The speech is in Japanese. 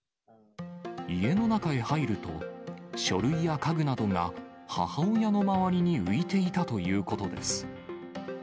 家の中へ入ると、書類や家具などが、母親の周りに浮いていたということです。